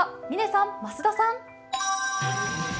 嶺さん、増田さん。